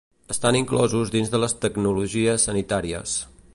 Estan inclosos dins de les tecnologies sanitàries.